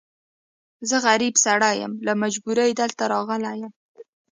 زه غريب سړی يم، له مجبوری دلته راغلی يم.